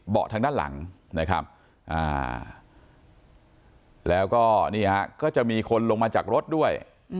ทางด้านหลังนะครับแล้วก็นี่ฮะก็จะมีคนลงมาจากรถด้วย